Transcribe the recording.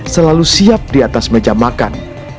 selalu siap di atas meja makan